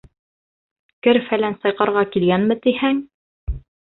Кер-фәлән сайҡарға килгәнме, тиһәң.